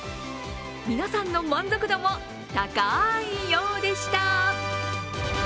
皆さんの満足度も高いようでした。